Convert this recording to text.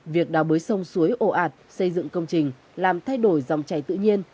việc đào bới sông suối ổ ạt xây dựng công trình làm thay đổi dòng chảy tự nhiên